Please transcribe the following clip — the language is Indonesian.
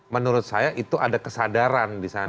menurut saya itu ada kesadaran di sana